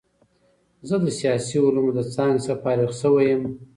زه د سیاسي علومو له څانګې څخه فارغ شوی یم.